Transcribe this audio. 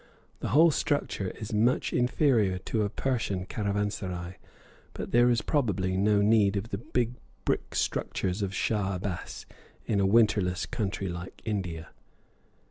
The whole structure is much inferior to a Persian caravanserai, but there is probably no need of the big brick structures of Shah Abbas in a winterless country like India.